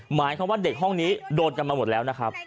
หมายความว่าเด็กห้องนี้โดนกันมาหมดแล้วนะครับ